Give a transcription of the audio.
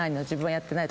やってない。